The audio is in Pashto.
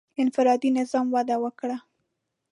• انفرادي نظام وده وکړه.